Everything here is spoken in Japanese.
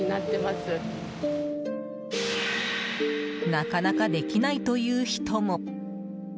なかなかできないという人も。